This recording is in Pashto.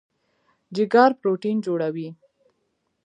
جګر پروټین جوړوي.